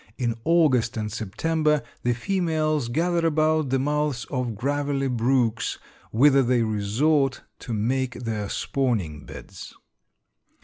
In August and September the females gather about the mouths of gravelly brooks, whither they resort to make their spawning beds.